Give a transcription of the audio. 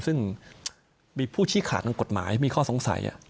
ซึ่งมีผู้ชี้ขาดทางกฎหมายมีข้อสงสัย